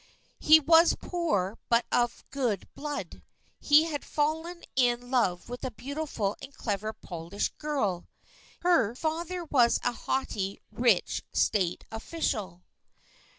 He was poor but of good blood. He had fallen in love with a beautiful and clever Polish girl. Her father was a haughty, rich State official.